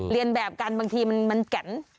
เรียนแบบกันบางทีมันแก่น